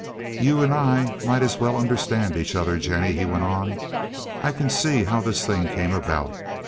"You and I might as well understand each other, Jennie," he went on. "I can see how this thing came about.